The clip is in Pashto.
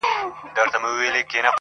په چای کي تر هغه زیاته بوره